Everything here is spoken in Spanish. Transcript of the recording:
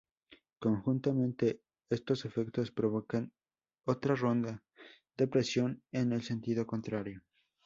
Conjuntamente, estos efectos provocan otra onda de presión en el sentido contrario.